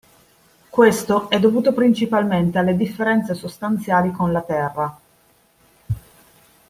Questo è dovuto principalmente alle differenze sostanziali con la terra.